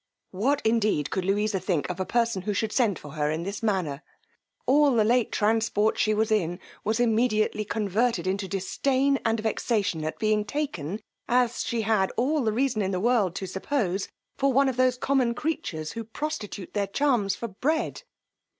What, indeed, could Louisa think of a person who should send for her in this manner? all the late transport she was in, was immediately converted into disdain and vexation at being taken, as she had all the reason in the world to suppose, for one of those common creatures who prostitute their charms for bread.